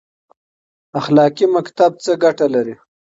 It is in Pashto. اخلاقي مکتب څه ګټه لري؟